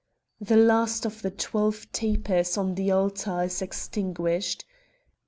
The last of the twelve tapers on the altar is extinguished....